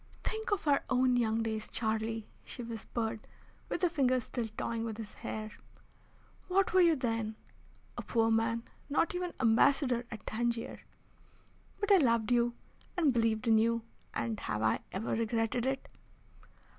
"Think of our own young days, Charlie," she whispered, with her fingers still toying with his hair. "What were you then? A poor man, not even Ambassador at Tangier. But I loved you, and believed in you, and have I ever regretted it?